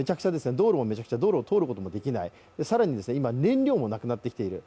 道路もめちゃくちゃ、道路を通ることもできない、さらに今、燃料もなくなってきている。